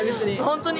本当に？